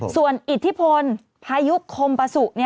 ส่วนอิทธิพลพายุคมปาสุ